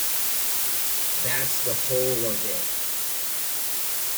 That's the whole of it.